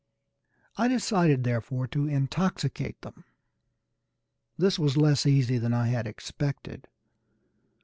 I decided therefore to intoxicate them. This was less easy than I had expected.